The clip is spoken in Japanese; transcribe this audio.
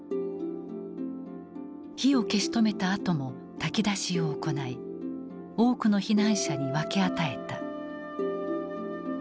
火を消し止めたあとも炊き出しを行い多くの避難者に分け与えた。